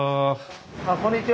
あっこんにちは。